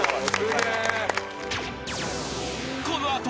［この後］